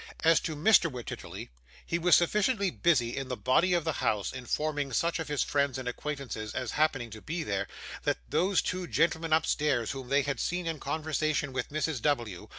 As to Mr. Wititterly, he was sufficiently busy in the body of the house, informing such of his friends and acquaintance as happened to be there, that those two gentlemen upstairs, whom they had seen in conversation with Mrs. W.